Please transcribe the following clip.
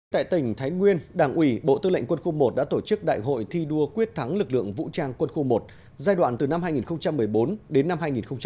tại tỉnh thái nguyên đảng ủy bộ tư lệnh quân khu một đã tổ chức đại hội thi đua quyết thắng lực lượng vũ trang quân khu một giai đoạn từ năm hai nghìn một mươi bốn đến năm hai nghìn một mươi chín